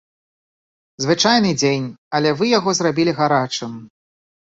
Звычайны дзень, але вы яго зрабілі гарачым.